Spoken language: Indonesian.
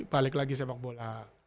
balik lagi sepak bola